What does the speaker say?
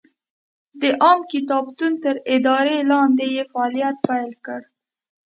د عامه کتابتون تر ادارې لاندې یې فعالیت پیل کړ.